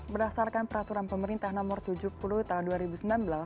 berdasarkan peraturan pemerintah nomor tujuh puluh tahun dua ribu sembilan belas